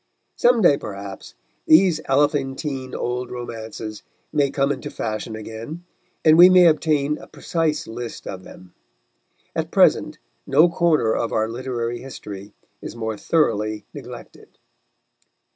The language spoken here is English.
Some day, perhaps, these elephantine old romances may come into fashion again, and we may obtain a precise list of them. At present no corner of our literary history is more thoroughly neglected.